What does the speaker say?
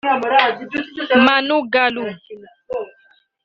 Manou Gallo